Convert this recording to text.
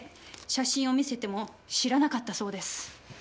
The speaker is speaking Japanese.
写真を見せても知らなかったそうです。